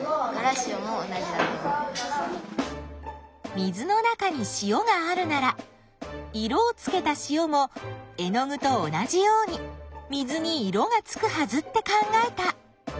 水の中に塩があるなら色をつけた塩も絵の具と同じように水に色がつくはずって考えた。